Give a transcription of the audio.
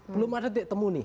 belum ada titik temu nih